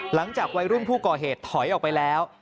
หลังจากวัยรุ่นผู้ก่อเหตุถอยออกไปแล้ว